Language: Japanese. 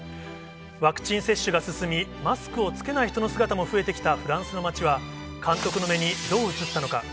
ワクチン接種が進み、マスクを着けない人の姿も増えてきたフランスの街は、監督の目にどう映ったのか。